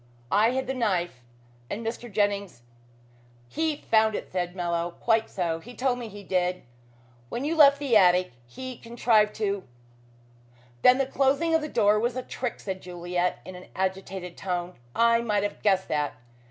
I hid the knife and Mr. Jennings " "He found it," said Mallow. "Quite so. He told me he did. When you left the attic he contrived to " "Then the closing of the door was a trick," said Juliet in an agitated tone. "I might have guessed that.